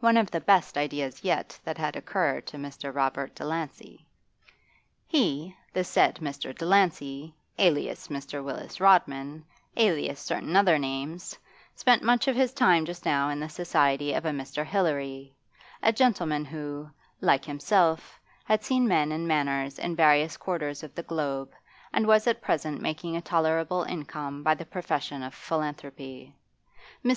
One of the best ideas that had yet occurred to Mr. Robert Delancey. He the said Mr. Delancey, alias Mr. Willis Rodman, alias certain other names spent much of his time just now in the society of a Mr. Hilary, a gentleman who, like himself, had seen men and manners in various quarters of the globe, and was at present making a tolerable income by the profession of philanthropy. Mr.